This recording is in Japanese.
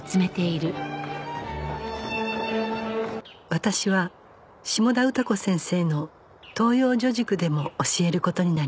私は下田歌子先生の桃夭女塾でも教える事になりました